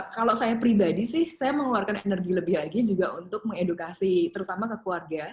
kalau saya pribadi sih saya mengeluarkan energi lebih lagi juga untuk mengedukasi terutama ke keluarga